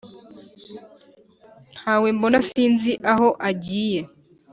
nta we mbona sinzi aho agiye